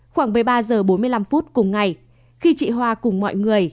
khoảng với ba giờ bốn mươi năm phút cùng ngày khi chị hoà cùng mọi người